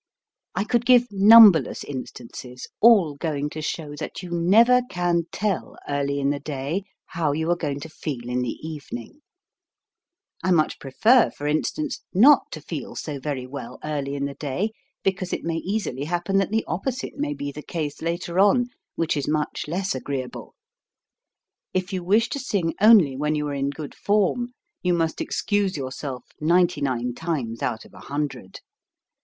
I could give numberless instances, all going to show that you never can tell early in the day how you are going to feel in the evening. I much prefer, for instance, not to feel so very well early in the day, because it may easily happen that the opposite may be the case THE SINGER'S PHYSIOLOGICAL STUDIES 49 later on, which is much less agreeable. J you wish to sing only when you are in good form, you must excuse yourself ninety nine times out of a hundred.